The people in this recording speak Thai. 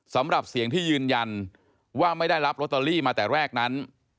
สำหรับเสียงที่ยืนยันว่าไม่ได้รับลอตเตอรี่มาแต่แรกนั้น